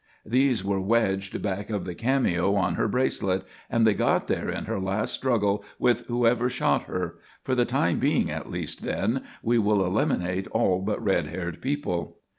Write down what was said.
These were wedged back of the cameo on her bracelet, and they got there in her last struggle with whoever shot her. For the time being at least, then, we will eliminate all but red haired people."